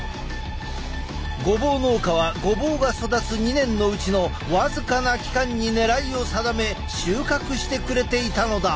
ごぼう農家はごぼうが育つ２年のうちの僅かな期間に狙いを定め収穫してくれていたのだ。